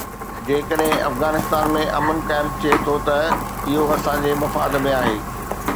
جيڪڏهن افغانستان ۾ امن قائم ٿئي ٿو ته اهو اسان جي مفاد ۾ آهي.